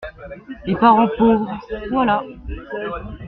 Les parents pauvres… voilà !